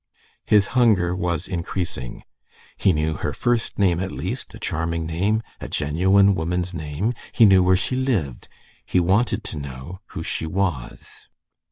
His hunger was increasing. He knew her first name, at least, a charming name, a genuine woman's name; he knew where she lived; he wanted to know who she was.